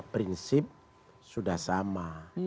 prinsip sudah sama